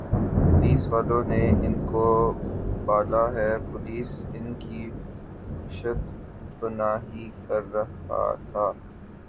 police والوں نے ان کو پالا ھے پولیس ان کی پشت پناہی کررہا تھا